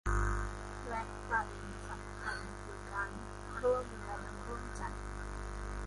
และประเด็นสำคัญคือการร่วมแรงร่วมใจ